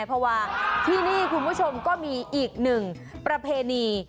เพราะว่าที่นี่คุณผู้ชมก็มีอีกหนึ่งประเพณี